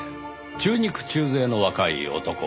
中肉中背の若い男。